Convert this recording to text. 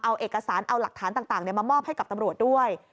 เอาเอกสารเอาหลักฐานต่างมามอบให้กับตำรวจด้วย